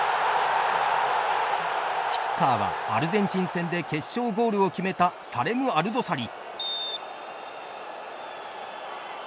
キッカーはアルゼンチン戦で決勝ゴールを決めたサレム・アルドサリ。